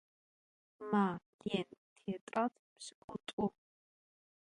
Ma, Lên, têtrad pş'ık'ut'u.